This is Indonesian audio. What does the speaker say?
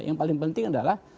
yang paling penting adalah